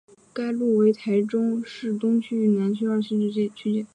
该路为台中市东区与南区二区的区界。